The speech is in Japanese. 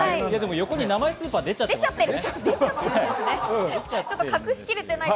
横に名前スーパー出てますね。